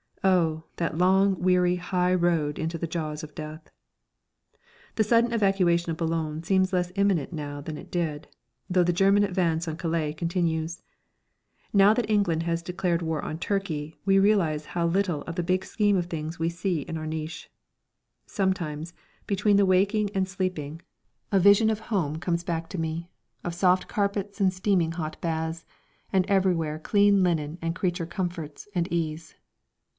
Oh, that long weary high road into the jaws of death! The sudden evacuation of Boulogne seems less imminent now than it did, though the German advance on Calais continues. Now that England has declared war on Turkey, we realise how little of the big scheme of things we see in our niche. Sometimes, between waking and sleeping, a vision of home comes back to me, of soft carpets and steaming hot baths, and everywhere clean linen and creature comforts and ease.